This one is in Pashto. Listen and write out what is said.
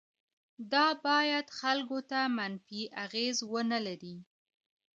دا باید خلکو ته منفي اغیز ونه لري.